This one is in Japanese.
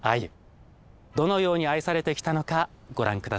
どのように愛されてきたのかご覧下さい。